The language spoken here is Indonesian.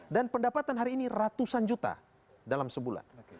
dan pendapatan hari ini ratusan juta dalam sebulan